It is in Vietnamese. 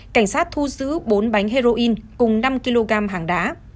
cảnh sát thu giữ bốn bánh heroin cùng năm kg hàng đá